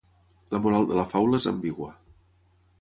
La moral de la faula és ambigua.